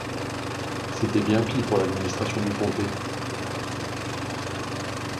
C'était bien pis pour l'administration du comté.